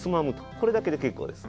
これだけで結構です